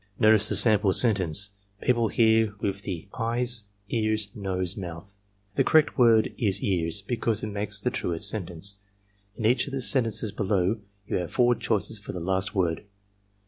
"'Notice the sample sentence: People hear with the — eyes — ears — ^nose — ^mouth. The correct word is ears^ because it makes the truest sentence. In each of the sentences below you have four choices for the last word.